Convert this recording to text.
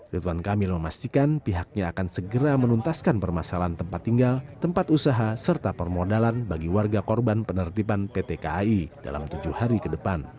ridwan kamil memastikan pihaknya akan segera menuntaskan permasalahan tempat tinggal tempat usaha serta permodalan bagi warga korban penertiban pt kai dalam tujuh hari ke depan